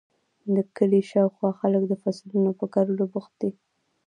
د کلي شااوخوا خلک د فصلونو په کرلو بوخت دي.